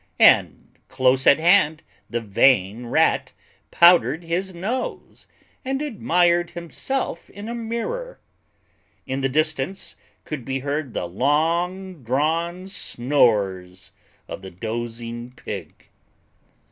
And close at hand the vain Rat powdered his nose and admired himself in a mirror. In the distance could be heard the long drawn snores of the dozing Pig.